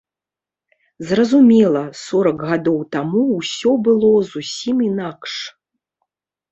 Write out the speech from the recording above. Зразумела, сорак гадоў таму ўсё было зусім інакш.